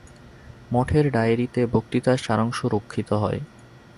মঠের ডায়েরীতে বক্তৃতার সারাংশ রক্ষিত হয়।